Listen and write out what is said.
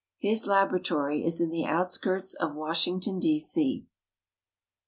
His laboratory is in the outskirts of Washington, D. C.